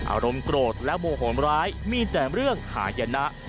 อารมณ์โกรธและโมโหมร้ายมีแต่เรื่องหายนะ